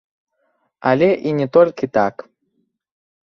Але і не толькі так.